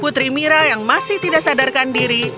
putri mira yang masih tidak sadarkan diri